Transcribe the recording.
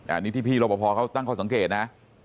อันนี้ที่พี่รบพอเขาตั้งข้อสังเกตนะ